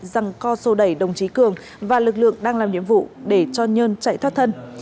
răng co sô đẩy đồng chí cường và lực lượng đang làm nhiệm vụ để cho nhân chạy thoát thân